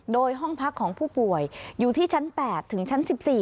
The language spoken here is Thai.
โดยห้องพักของผู้ป่วยอยู่ที่ชั้น๘ถึงชั้น๑๔